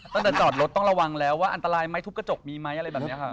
ตั้งแต่จอดรถต้องระวังแล้วว่าอันตรายไหมทุบกระจกมีไหมอะไรแบบนี้ค่ะ